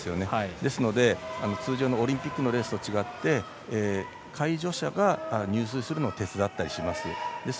ですので、通常のオリンピックのレースと違って介助者が入水するのを手伝ったりします。